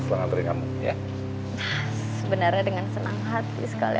sebenarnya dengan senang hati sekali